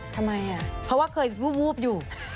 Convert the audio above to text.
เพราะว่าเคยวูบอยู่